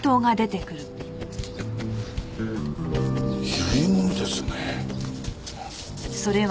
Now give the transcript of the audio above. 遺言ですね。